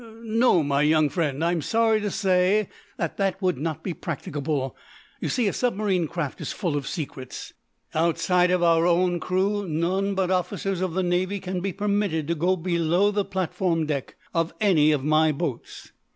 "No, my young friend, I am sorry to say that that would not be practicable. You see, a submarine craft is full of secrets. Outside of our own crew none but officers of the Navy can be permitted to go below the platform deck of any of my boats."